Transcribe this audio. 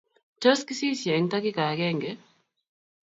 Tos kisiisye eng takika agenge